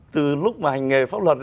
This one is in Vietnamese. từ lúc mà anh nghe pháp luật